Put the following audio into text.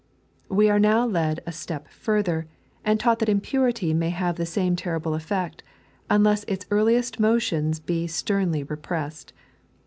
We are now led a step further, and taught that impurity may have the same terrible effect, unless its earliest motions be sternly repressed.